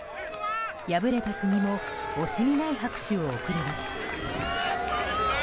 敗れた国も惜しみない拍手を送ります。